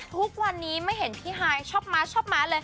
ทุกวันนี้ไม่เห็นพี่ฮายชอบม้าชอบม้าเลย